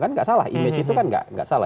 kan nggak salah image itu kan nggak salah